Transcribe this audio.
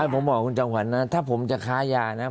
ผมบอกคุณจอมขวัญนะถ้าผมจะค้ายานะ